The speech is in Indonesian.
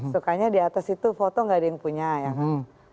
sukanya di atas itu foto gak ada yang punya ya kan